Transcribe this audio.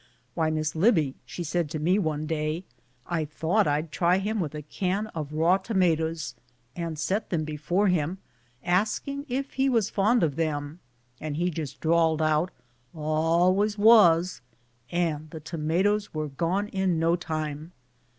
" Why, Miss Libbie," she said to me one day, "I thought I'd try him with a can of raw tomatoes, and set them before him, asking if he was fond of them. And he just drawled out, 'Always was,'' and the tomatoes were gone in no time."